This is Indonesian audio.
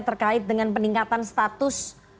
terkait dengan peningkatan status